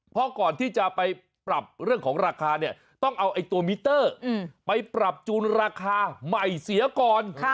เพราะก่อนที่จะไปปรับเรื่องของราคาเนี่ยต้องเอาตัวมิเตอร์ไปปรับจูนราคาใหม่เสียก่อน